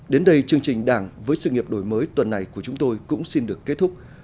đến đây chương trình đảng với sự nghiệp đổi mới tuần này của chúng tôi cũng xin được kết thúc